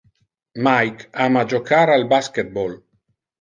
Mike ama jocar al basketball.